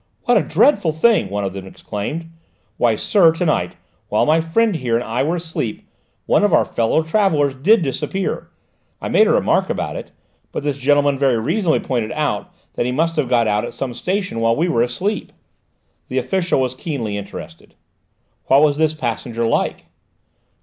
"What a dreadful thing!" one of them exclaimed. "Why, sir, to night, while my friend here and I were asleep, one of our fellow travellers did disappear. I made a remark about it, but this gentleman very reasonably pointed out that he must have got out at some station while we were asleep." The official was keenly interested. "What was this passenger like?"